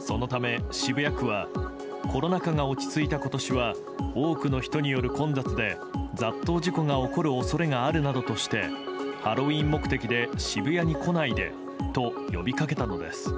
そのため、渋谷区はコロナ禍が落ち着いた今年は多くの人による混雑で雑踏事故が起こる恐れがあるなどとしてハロウィーン目的で渋谷に来ないでと呼びかけたのです。